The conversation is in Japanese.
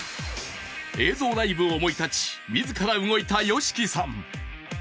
映像ライブを思い立ち自ら動いたＹＯＳＨＩＫＩさん。